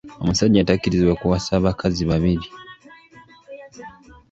Omusajja takkirizibwa kuwasa bakazi babiri.